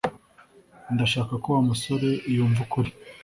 Ndashaka ko Wa musore yumva ukuri